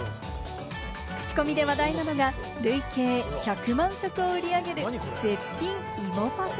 口コミで話題なのが累計１００万食を売り上げる絶品芋パフェ。